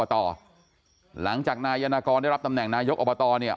นายยกอบต่อหลังจากนายยนต์กรได้รับตำแหน่งนายยกอบต่อเนี่ย